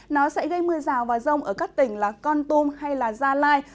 nó sẽ gây mưa rào và rông ở các tỉnh là con tum hay gia lai